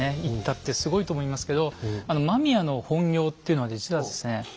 行ったってすごいと思いますけど間宮の本業っていうのは実はですね